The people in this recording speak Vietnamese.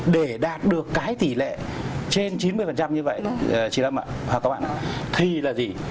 để đạt được cái tỷ lệ trên chín mươi như vậy chị lâm ạ các bạn ạ thì là gì